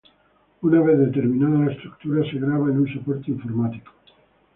Una vez determinada la estructura, se graba en un soporte informático.